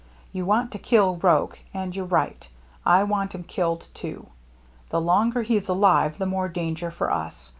You want to kill Roche, and you're right. I want him killed, too. The longer he's alive, the more danger for us.